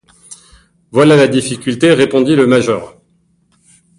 Voilà la difficulté, répondit le major.